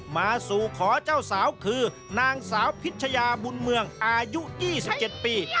มาสู่ขอเจ้าสาวคือนางสาวพิชยาบุญเมืองอายุ๒๗ปี